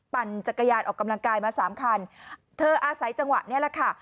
ปั่นจักรยานออกกำลังกายมาสามคันเธออาศัยจังหวะนี้แหละค่ะ